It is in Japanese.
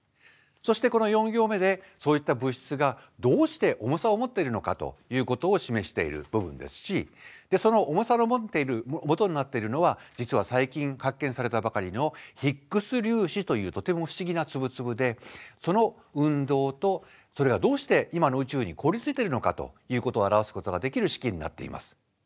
そしてこの４行目でそういった物質がどうして重さを持っているのかということを示している部分ですしその重さを持っている元になっているのは実は最近発見されたばかりのヒッグス粒子というとても不思議な粒々でその運動とそれがどうして今の宇宙に凍りついてるのかということを表すことができる式になっています。